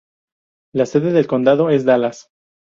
La sede del condado es Dallas.